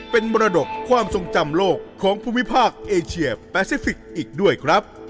เป็นมรดกความทรงจำโลกของภูมิภาคเอเชียแปซิฟิกส์อีกด้วยครับ